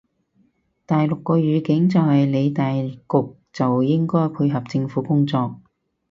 大陸個語境就係理大局就應該配合政府工作